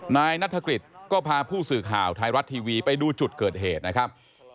นายนัฐกฤษก็พาผู้สื่อข่าวไทยรัฐทีวีไปดูจุดเกิดเหตุนะครับ